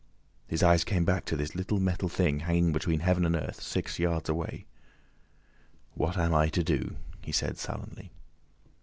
His eyes came back to this little metal thing hanging between heaven and earth, six yards away. "What am I to do?" he said sullenly.